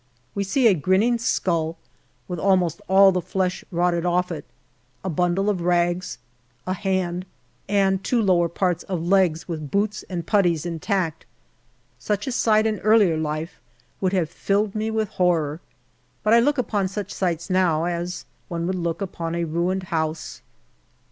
We see a grinning skull, with almost all the flesh rotted off it, a bundle of rags, a hand, and two lower parts of legs with boots and puttees intact. Such a sight in earlier life would have filled me with horror. But I look upon such sights now as one would look upon a ruined house.